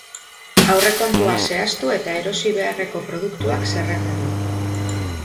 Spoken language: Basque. Aurrekontua zehaztu eta erosi beharreko produktuak zerrendatu.